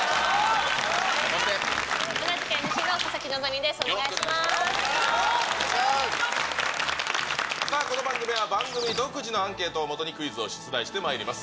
この番組は、番組独自のアンケートをもとにクイズを出題してまいります。